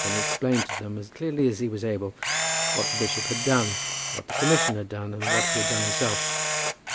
Then he explained to them, as clearly as he was able, what the bishop had done, what the commission had done, and what he had done himself.